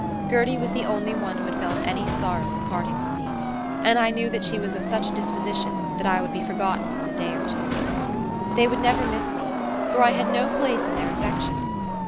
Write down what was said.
Gertie was the only one who had felt any sorrow at parting with me, and I knew that she was of such a disposition that I would be forgotten in a day or two. They would never miss me, for I had no place in their affections.